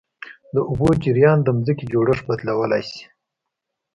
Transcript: د اوبو جریان د ځمکې جوړښت بدلولی شي.